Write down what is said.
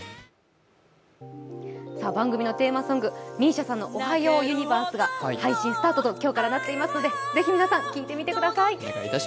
番組のテーマソングＭＩＳＩＡさんの「おはようユニバース」が今日から今日から配信スタートとなっていますので、ぜひ皆さん、聴いてみてください。